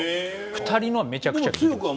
２人のはめちゃくちゃ聞いてます。